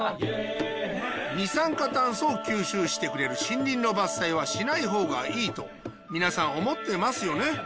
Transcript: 二酸化炭素を吸収してくれる森林の伐採はしない方がいいと皆さん思ってますよね。